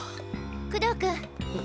工藤君！